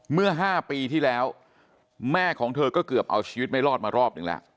เมื่อ๕ปีที่แล้วแม่ของเธอก็เกือบเอาชีวิตไม่รอดมารอบหนึ่งแล้ว